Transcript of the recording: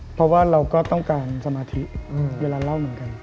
เพราะว่าเราก็ต้องการสมาธิเวลาเล่าเหมือนกัน